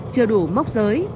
chưa đủ mốc giới